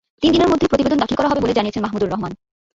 তিন দিনের মধ্যে প্রতিবেদন দাখিল করা হবে বলে জানিয়েছেন মাহমুদুর রহমান।